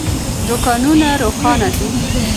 دوکانونه روښانه دي.